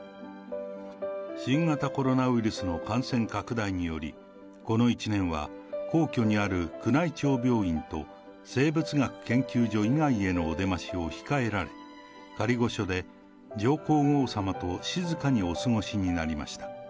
新型コロナウイルスの感染拡大により、この１年は、皇居にある宮内庁病院と、生物学研究所以外へのお出ましを控えられ、仮御所で、上皇后さまと静かにお過ごしになりました。